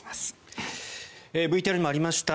ＶＴＲにもありました